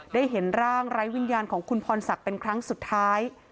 เห็นร่างไร้วิญญาณของคุณพรศักดิ์เป็นครั้งสุดท้าย